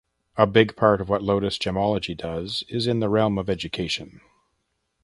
A big part of what Lotus Gemology does is in the realm of education.